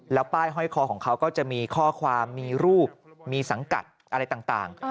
แล้วป้ายห้อยคอของเขาก็จะมีข้อความมีรูปมีสังกัดอะไรต่าง